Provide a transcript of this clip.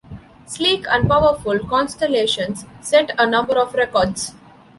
Sleek and powerful, Constellations set a number of records.